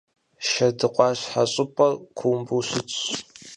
Шэдыкъуащхьэ щӏыпӏэр кумбу щытщ.